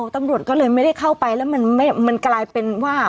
ตำรวจก็เลยไม่ได้เข้าไปแล้วมันกลายเป็นว่า